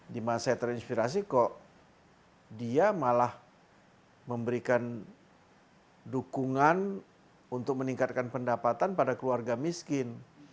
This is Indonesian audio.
di masa terinspirasi kok dia malah memberikan dukungan untuk meningkatkan pendapatan pada keluarga miskin